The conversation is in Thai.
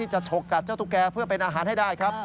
ฉกกัดเจ้าตุ๊กแกเพื่อเป็นอาหารให้ได้ครับ